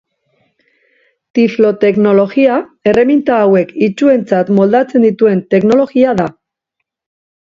Tifloteknologia erreminta hauek itsuentzat moldatzen dituen teknologia da.